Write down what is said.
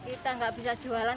kita nggak bisa jualan